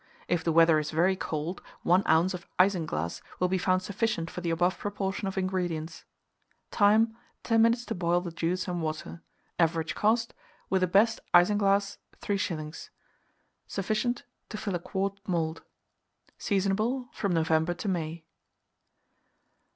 If the weather is very cold, 1 oz. of isinglass will be found sufficient for the above proportion of ingredients. Time. 10 minutes to boil the juice and water. Average cost, with the best isinglass, 3s. Sufficient to fill a quart mould. Seasonable from November to May.